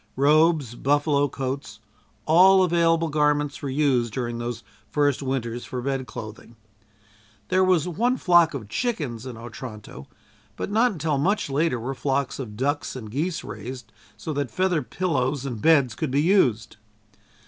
Robes, buffalo coats, all available garments, were used during those first winters for bed clothing. There was one flock of chickens in Otranto, but not until much later were flocks of ducks and geese raised so that feather pillows and beds could be used.